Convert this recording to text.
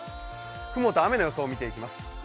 雲と雨の予想を見ていきます。